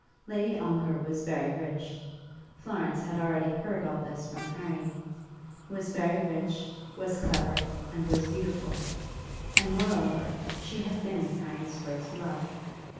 Lady Ongar was very rich. Florence had already heard all this from Harry, was very rich, was clever, and was beautiful; and moreover she had been Harry's first love.